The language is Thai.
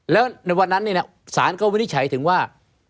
แล้วในวันนั้นศาลก็วินิจฉัยถึงว่า